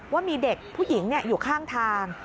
ว่ามีเด็กผู้หญิงอยู่ข้างทาง